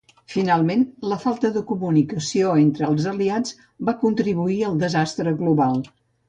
Finalment, la falta de comunicació entre els aliats va contribuir al desastre global.